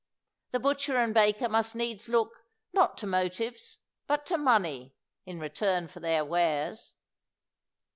The butcher and baker must needs look, not to motives, but to money, in return for their wares.